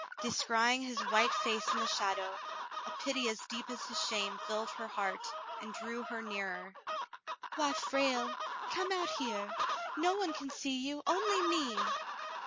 Descrying his white face in the shadow, a pity as deep as his shame filled her heart and drew her nearer. "Why, Frale, come out here. No one can see you, only me.'